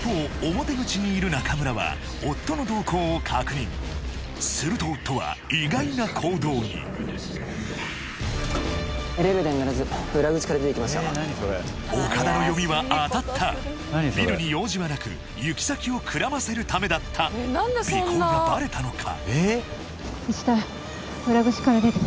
表口にいる中村は夫の動向を確認すると夫は意外な行動に岡田の読みは当たったビルに用事はなく行き先をくらませるためだった尾行がバレたのか？